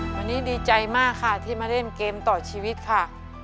วันนี้ดีใจมากค่ะที่มาเล่นเกมต่อชีวิตค่ะ